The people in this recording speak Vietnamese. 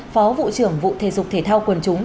phó vụ trưởng vụ thể dục thể thao quần chúng